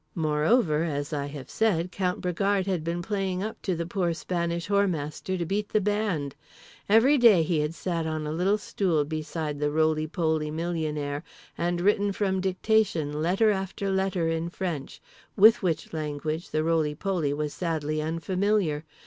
Moreover, as I have said, Count Bragard had been playing up to the poor Spanish Whoremaster to beat the band. Every day had he sat on a little stool beside the rolypoly millionaire, and written from dictation letter after letter in French—with which language the rolypoly was sadly unfamiliar….